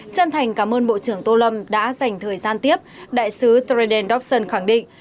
chân thành cảm ơn bộ trưởng tô lâm đã dành thời gian tiếp đại sứ treden dobson khẳng định